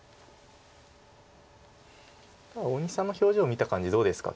大西さんの表情見た感じどうですか